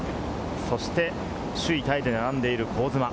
そして首位タイで並んでいる香妻。